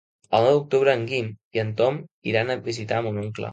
El nou d'octubre en Guim i en Tom iran a visitar mon oncle.